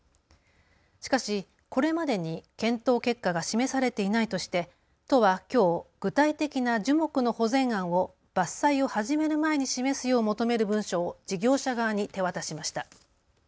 しかしこれまでに検討結果が示されていないとして都はきょう具体的な樹木の保全案を伐採を始める前に示すよう求める文書を事業者側に手渡しました。